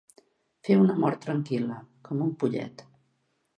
Fer una mort tranquil·la, com un pollet.